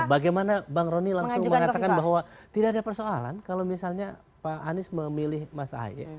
bagaimana bang roni langsung mengatakan bahwa tidak ada persoalan kalau misalnya pak anies memilih mas ahy